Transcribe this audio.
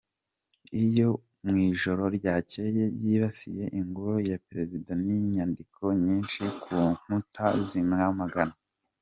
Iyo mu ijoro ryacyeye yibasiye ingoro ya perezida n’inyandiko nyinshi ku nkuta zimwamagana.